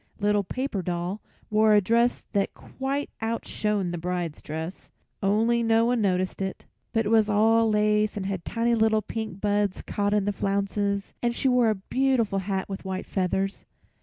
Little Paper Doll wore a dress that quite outshone the bride's dress, only no one noticed it; but it was all lace and had tiny little pink buds caught in the flounces, and she wore a beautiful hat with white feathers.